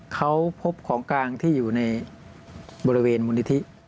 เขาพบของกลางที่อยู่ในบริเวณมูลนิธิ